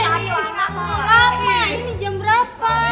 lama ini jam berapa